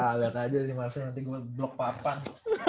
ah liat aja nih marcel nanti gua block papan